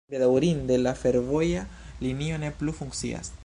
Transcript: Bedaŭrinde la fervoja linio ne plu funkcias.